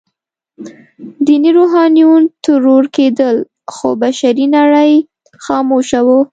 ديني روحانيون ترور کېدل، خو بشري نړۍ خاموشه وه.